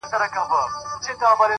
د سړک څنډه تل د تګ او تم ترمنځ وي,